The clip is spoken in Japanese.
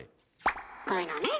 こういうのね。